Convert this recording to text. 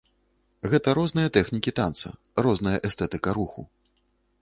Гэта розныя тэхнікі танца, розная эстэтыка руху.